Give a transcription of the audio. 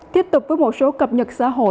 tiếp tục với một số cập nhật xã hội